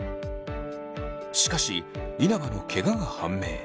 しかし稲葉のケガが判明。